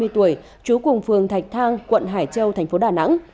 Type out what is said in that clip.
ba mươi tuổi trú cùng phường thạch thang quận hải châu thành phố đà nẵng